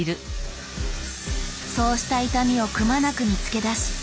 そうした傷みをくまなく見つけ出し